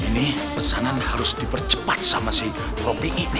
ini pesanan harus dipercepat sama si kopi ini